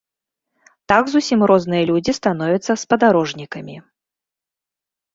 Так зусім розныя людзі становяцца спадарожнікамі.